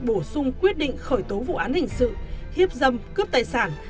bổ sung quyết định khởi tố vụ án hình sự hiếp dâm cướp tài sản